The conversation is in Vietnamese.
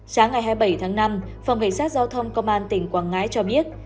sáng ngày hai mươi bảy tháng năm phòng cảnh sát giao thông công an tỉnh quảng ngãi cho biết